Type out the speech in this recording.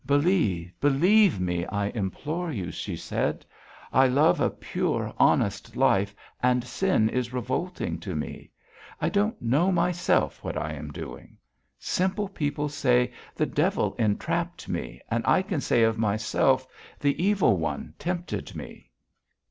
"Believe, believe me, I implore you," she said. "I love a pure, honest life, and sin is revolting to me. I don't know myself what I am doing. Simple people say: 'The devil entrapped me,' and I can say of myself: 'The Evil One tempted me.'"